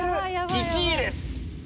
１位です。